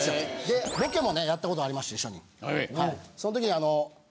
でロケもねやったことありまして一緒に。